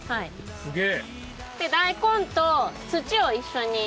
すげえ！